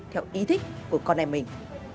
theo ý thích của con em mình